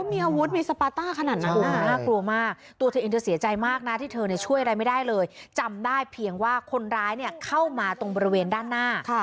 มีอาวุธมีสปาต้าขนาดนั้นน่ากลัวมากตัวเธอเองเธอเสียใจมากนะที่เธอช่วยอะไรไม่ได้เลยจำได้เพียงว่าคนร้ายเนี่ยเข้ามาตรงบริเวณด้านหน้า